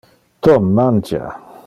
Tom mangia.